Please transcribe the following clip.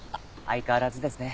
相変わらずですね。